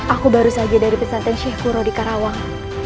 aku baru saja dari pesantren sheikh kuro di karawang